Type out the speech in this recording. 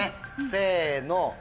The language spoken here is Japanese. せの。